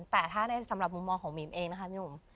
แต่ถ้าในสำหรับมุมมองของอิ่มเองนะคะ